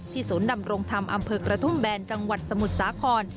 ศูนย์ดำรงธรรมอำเภอกระทุ่มแบนจังหวัดสมุทรสาคร